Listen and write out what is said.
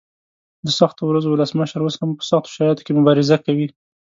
د سختو ورځو ولسمشر اوس هم په سختو شرایطو کې مبارزه کوي.